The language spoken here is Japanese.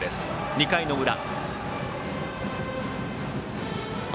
２回の裏。